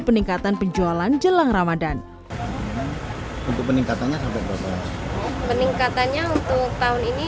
peningkatan penjualan jelang ramadhan untuk peningkatannya peningkatannya untuk tahun ini